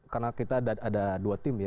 karena kita ada dua tim ya